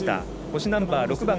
腰ナンバー６番